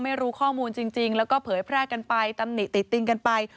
ไม่รู้ข้อมูลจริงแล้วก็เผยแพร่กันไปตำหนิติติติงกันไป